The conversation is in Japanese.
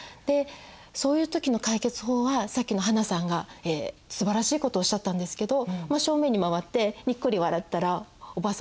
そういう時の解決法はさっきの英さんがすばらしいことをおっしゃったんですけど正面に回ってニッコリ笑ったらおばあ様